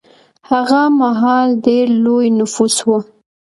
هغه مهال ډېر لوی نفوس و.